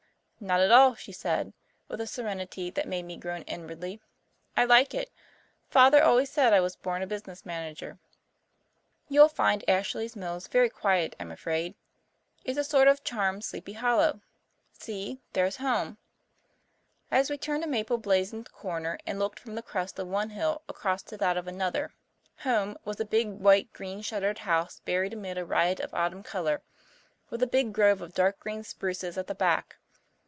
"Not at all," she said, with a serenity that made me groan inwardly. "I like it. Father always said I was a born business manager. You'll find Ashley's Mills very quiet, I'm afraid. It's a sort of charmed Sleepy Hollow. See, there's home," as we turned a maple blazoned corner and looked from the crest of one hill across to that of another. "Home" was a big, white, green shuttered house buried amid a riot of autumn colour, with a big grove of dark green spruces at the back.